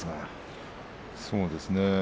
そうですね。